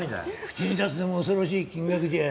口に出すのも恐ろしい金額じゃ。